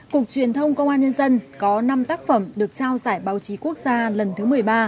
cục truyền thông công an nhân dân có năm tác phẩm được trao giải báo chí quốc gia lần thứ một mươi ba